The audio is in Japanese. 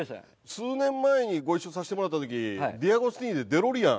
数年前にご一緒させてもらった時デアゴスティーニでデロリアン。